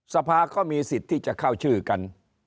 สภาก็มีสิทธิ์ที่จะเข้าชื่อกัน